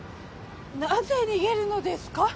なぜ逃げるのですか。